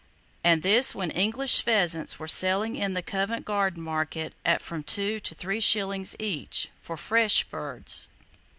And this when English pheasants were selling in the Covent Garden market at from two to three shillings each, for fresh birds!